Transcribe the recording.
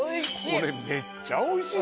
これめっちゃおいしい。